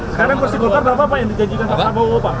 sekarang porsi golkar berapa pak yang dijanjikan